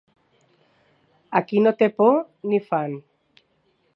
A qui no té por, n'hi fan.